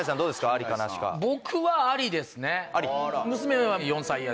僕はありですね。